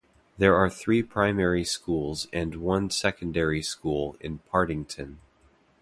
There are three primary schools and one secondary school in Partington.